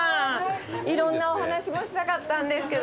いろんなお話もしたかったんですけど。